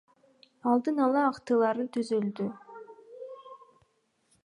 Алдын ала актылар түзүлдү.